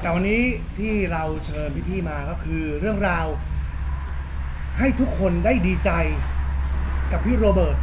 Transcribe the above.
แต่วันนี้ที่เราเชิญพี่มาก็คือเรื่องราวให้ทุกคนได้ดีใจกับพี่โรเบิร์ต